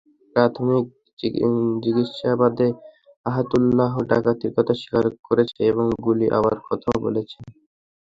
প্রাথমিক জিজ্ঞাসাবাদে আয়াতুল্লাহ ডাকাতির কথা স্বীকার করেছে এবং গুলি করার কথাও বলেছে।